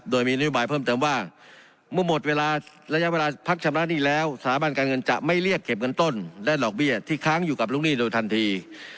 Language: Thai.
โดยมีนโยบายเพิ่มเติมว่าเมื่อหมดเวลาระยะเวลาพักชำระหนี้แล้วสถาบันการเงินจะไม่เรียกเก็บเงินต้นและดอกเบี้ยที่ค้างอยู่กับลูกหนี้โดยทันที